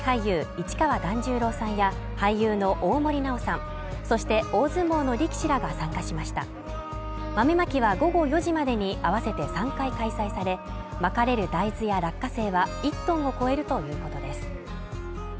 市川團十郎さんや俳優の大森南朋さんそして大相撲の力士らが参加しました豆まきは午後４時までに合わせて３回開催されまかれる大豆や落花生は１ｔを超えるということです